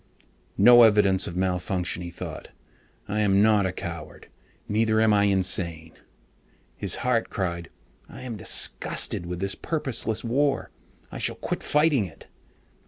No evidence of malfunction, he thought. I am not a coward. Neither am I insane. His heart cried: "I am disgusted with this purposeless war. I shall quit fighting it."